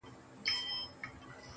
هغه چي نيم بدن يې سرو باروتو لولپه کړ,